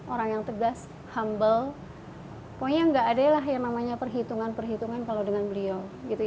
orang yang tegas humble pokoknya nggak ada lah yang namanya perhitungan perhitungan kalau dengan beliau